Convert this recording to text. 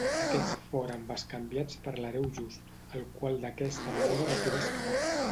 Aquests foren bescanviats per l'Hereu Just, el qual d'aquesta manera va poder escapar.